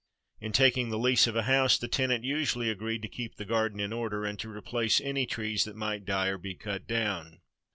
In taking the lease of a house, the tenant usu ally agreed to keep the garden in order, and to replace any trees that might die or be cut down.